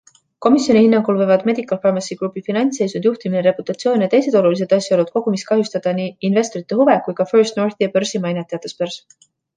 Komisjoni hinnangul võivad Medical Pharmacy Groupi finantsseisund, juhtimine, reputatsioon ja teised olulised asjaolud kogumis kahjustada nii investorite huve kui ka First Northi ja börsi mainet, teatas börs.